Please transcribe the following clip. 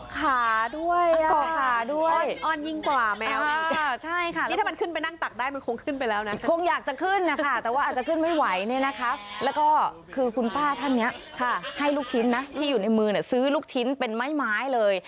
คุณป้าท่านเนี่ยให้ลูกชิ้นนะที่อยู่ในมือซื้อลูกชิ้นเป็นไม้ไม้เลย